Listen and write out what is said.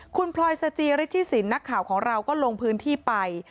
คุณพลอยสจิฤทธิสินนักข่าวของเราก็ลงพื้นที่ไป